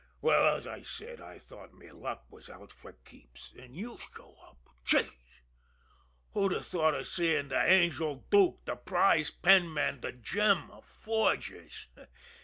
Well, as I said, I thought me luck was out fer keeps an' you show up. Gee! Who'd have thought of seein' de Angel Dook, de prize penman, de gem of forgers!